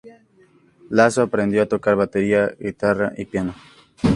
Lasso aprendió a tocar batería, guitarra y piano.